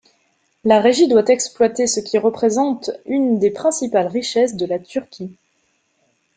La Régie doit exploiter ce qui représente une des principales richesses de la Turquie.